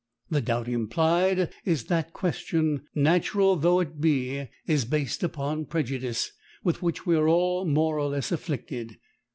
The doubt implied in that question, natural though it be, is based upon prejudice, with which we are all more or less afflicted.